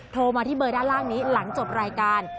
โทรมาที่เบอร์ด้านล่างนี้หลังจบรายการ